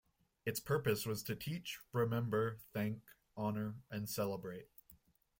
Its purpose was to teach, remember, thank, honour and celebrate.